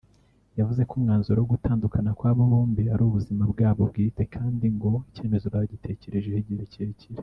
yavuze ko umwanzuro wo gutandukana kw’abo bombi ari ubuzima bwabo bwite kandi ngo icyemezo bagitekerejeho igihe kirekire